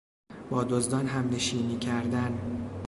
با دزدان همنشینی کردن